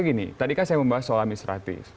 gini tadikan saya membahas soal amnistratif